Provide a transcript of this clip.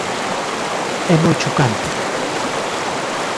É moi chocante.